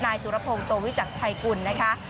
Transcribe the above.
สุรพงศ์โตวิจักรชัยกุลนะคะ